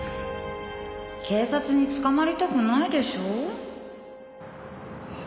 警察に捕まりたくないでしょ？